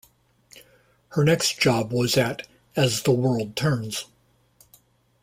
Her next job was at As the World Turns.